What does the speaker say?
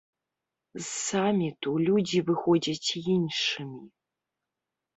З саміту людзі выходзяць іншымі.